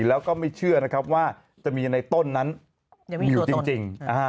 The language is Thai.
แล้วก็ไม่เชื่อนะครับว่าจะมีในต้นนั้นอยู่จริง